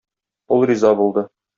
Ул риза булды.